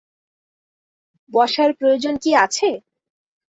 বসার প্রয়োজন কি আছে?